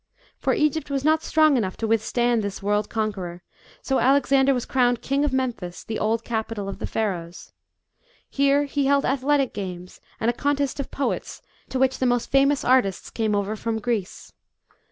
For Egypt was not strong enough to withstand this world conqueror, so Alexander was crowned king at Memphis, the old capital of the Pharaohs. Here he held athletir* games and a contest of poets, to which the most famous artists came over from Greece.